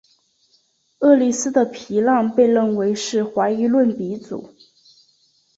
厄利斯的皮浪被认为是怀疑论鼻祖。